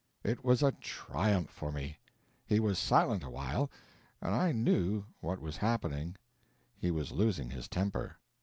It was a triumph for me. He was silent awhile, and I knew what was happening—he was losing his temper.